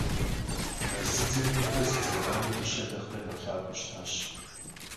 Мэз дзыдзэм и фэр сыт зэмани дыщэм нэхърэ нэхъ лъапӀэу щытащ.